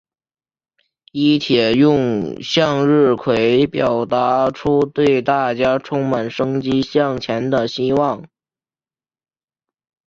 伊秩用向日葵表达出对大家充满生机向前的希望。